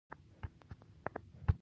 يو سبب به درله وکي.